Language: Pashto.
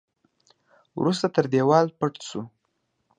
وروسته تر دېوال پټ شو.